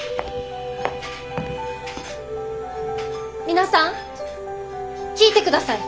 皆さん聞いてください！